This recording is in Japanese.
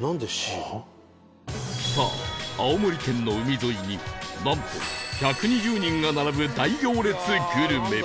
さあ青森県の海沿いになんと１２０人が並ぶ大行列グルメ